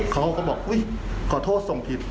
เขาก็บอกอุ๊ยขอโทษส่งผิด